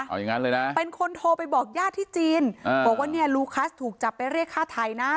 เอาอย่างนั้นเลยนะเป็นคนโทรไปบอกญาติที่จีนบอกว่าเนี่ยลูคัสถูกจับไปเรียกฆ่าไทยนะ